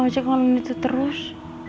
wajah kawan itu terus